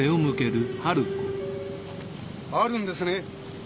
あるんですね？